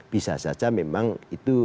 bisa saja memang itu